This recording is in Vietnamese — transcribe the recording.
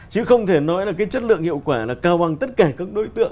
chứ không thể nói là cái chất lượng hiệu quả là cao bằng tất cả các đối tượng